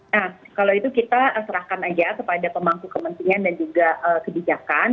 nah kalau itu kita serahkan aja kepada pemangku kementerian dan juga kebijakan